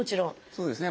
そうですね。